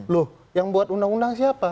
loh yang buat undang undang siapa